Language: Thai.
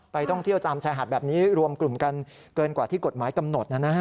ท่องเที่ยวตามชายหาดแบบนี้รวมกลุ่มกันเกินกว่าที่กฎหมายกำหนดนะฮะ